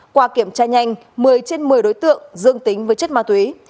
qua kiểm tra nhanh một mươi trên một mươi đối tượng dương tính với chất ma túy